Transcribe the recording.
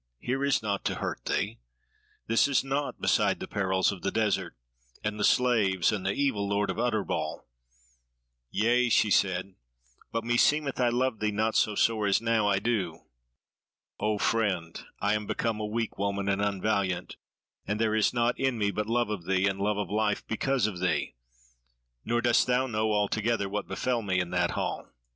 here is naught to hurt thee! this is naught beside the perils of the desert, and the slaves and the evil lord of Utterbol." "Yea," she said, "but meseemeth I loved thee not so sore as now I do. O friend, I am become a weak woman and unvaliant, and there is naught in me but love of thee, and love of life because of thee; nor dost thou know altogether what befell me in that hall."